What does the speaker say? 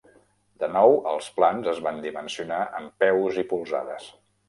De nou, els plans es van dimensionar en peus i polzades.